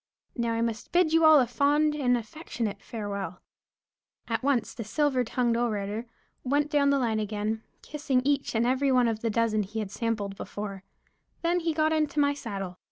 Now I must bid you all a fond and affectionate farewell." At once the silver tongued orator went down the line again, kissing each and every one of the dozen he had sampled before; then he got into my saddle.